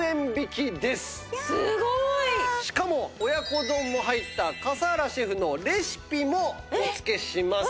すごい！しかも親子丼も入った笠原シェフのレシピもお付けします。